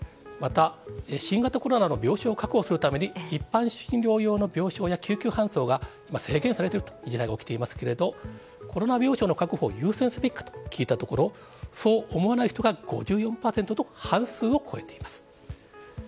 また、新型コロナの病床を確保するために、一般診療用の病床や救急搬送が制限されているという事態が起きていますけれども、コロナ病床の確保を優先すべきかと聞いたところ、そう思わない人が５４％と半数を超えています。